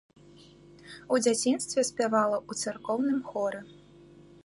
У дзяцінстве спявала ў царкоўным хоры.